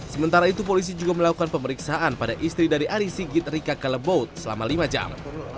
sementara itu polisi juga melakukan pemeriksaan pada istri dari ari sigit rika kaleboat selama lima jam